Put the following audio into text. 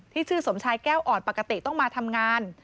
ชื่อสมชายแก้วอ่อนปกติต้องมาทำงาน